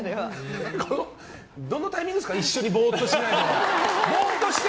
どのタイミングですか一緒にぼーっとしないでって。